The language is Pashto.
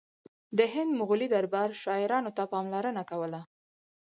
د هند مغلي دربار شاعرانو ته پاملرنه کوله